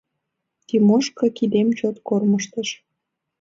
— Тимошка кидем чот кормыжтыш.